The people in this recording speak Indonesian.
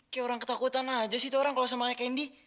kayak orang ketakutan aja sih itu orang kalau samanya kendi